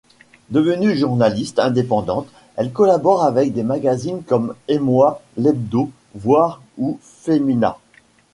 Devenue journaliste indépendante, elle collabore avec des magazines comme Emois, l'Hebdo, Voir ou Femina.